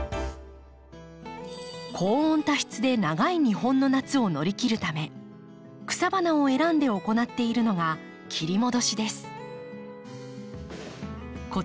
高温多湿で長い日本の夏を乗り切るため草花を選んで行っているのが切り戻しです。